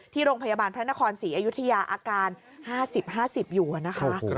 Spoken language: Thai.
โรงพยาบาลพระนครศรีอยุธยาอาการ๕๐๕๐อยู่นะคะ